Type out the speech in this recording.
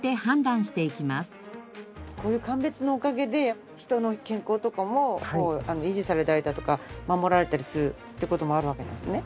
こういう鑑別のおかげで人の健康とかも維持されたりだとか守られたりするって事もあるわけなんですね。